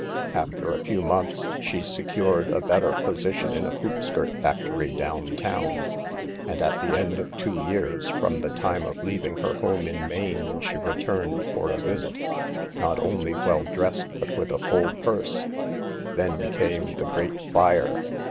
44 After a few months, she secured a better position in a hoop skirt factory down town, and at the end of two years from the time of leaving her home in Maine she returned for a visit, not only well dressed, but with a full 142 SAVE THE GIRLS. purse. Then came the great fire.